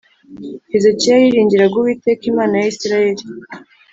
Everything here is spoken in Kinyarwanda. Hezekiya yiringiraga uwiteka imana ya isirayeli